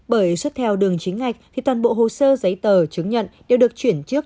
bởi xuất theo đường chính ngạch thì toàn bộ hồ sơ giấy tờ chứng nhận đều được chuyển trước